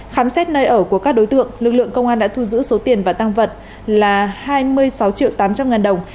khám xét nơi ở của các đối tượng lực lượng công an đã thu giữ số tiền và tăng vật là hai mươi sáu triệu tám trăm linh ngàn đồng